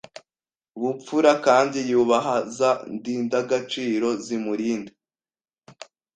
bupfura kandi yubaha za ndindagaciro zimurinda